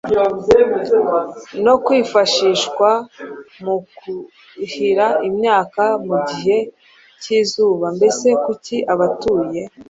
no kwifashishwa mu kuhira imyaka mu gihe k’izuba. Mbese kuki abatuye